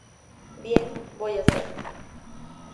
Bien, voy a hacerlo.